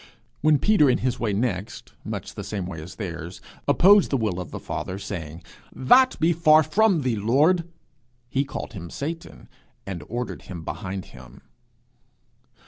When Peter in his way next much the same way as theirs opposed the will of the Father, saying, 'That be far from thee, Lord!' he called him Satan, and ordered him behind him.